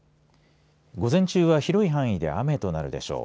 午前中は広い範囲で雨となるでしょう。